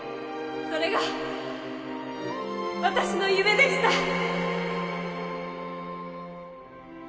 それが私の夢でした